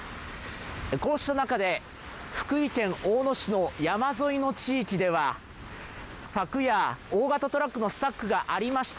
こうした中で福井県大野市の山沿いの地域では昨夜、大型トラックのスタックがありました。